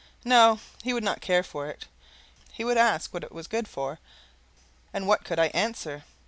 No he would not care for it. He would ask what it was good for, and what could I answer?